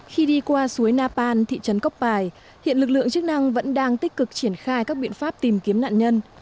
khi đi qua suối napan thị trấn cóc bài hiện lực lượng chức năng vẫn đang tích cực triển khai các biện pháp tìm kiếm nạn nhân